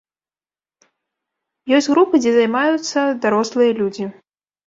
Ёсць групы, дзе займаюцца дарослыя людзі.